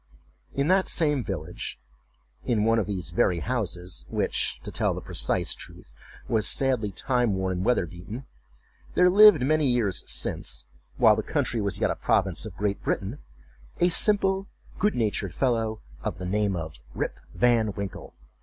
In that same village, and in one of these very houses (which, to tell the precise truth, was sadly time worn and weather beaten), there lived many years since, while the country was yet a province of Great Britain, a simple good natured fellow of the name of Rip Van Winkle.